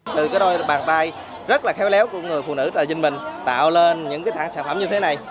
từ cái đôi bàn tay rất là khéo léo của người phụ nữ là dinh mình tạo lên những cái sản phẩm như thế này